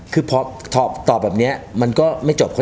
คือพอตอบแบบนี้มันก็ไม่จบ